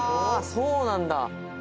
そうなんだ。